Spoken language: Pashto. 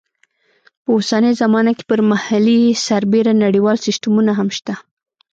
په اوسنۍ زمانه کې پر محلي سربېره نړیوال سیسټمونه هم شته.